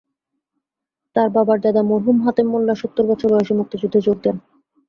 তাঁর বাবার দাদা মরহুম হাতেম মোল্লা সত্তর বছর বয়সে মুক্তিযুদ্ধে যোগ দেন।